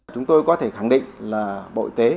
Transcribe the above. chúng tôi có thể khẳng định là bộ y tế